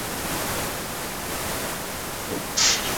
远东联邦管区是俄罗斯位于远东的联邦区。